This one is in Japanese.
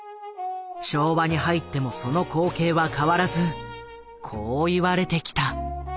昭和に入ってもその光景は変わらずこう言われてきた。